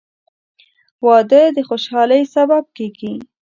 • واده د خوشحالۍ سبب کېږي.